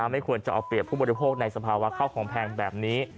ไม่ควรจะเอาเปรียบผู้บริโภคในสภาวะข้าวของแพงแบบนี้